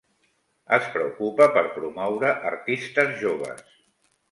Es preocupa per promoure artistes joves.